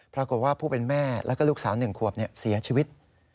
ปรากฏว่าผู้เป็นแม่และลูกสาวหนึ่งขวบเสียชีวิต